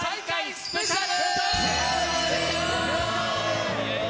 スペシャル。